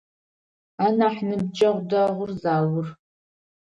Анахь ныбджэгъу дэгъур Заур.